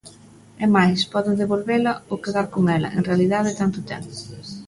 É máis, pode devolvela ou quedar con ela, en realidade tanto ten.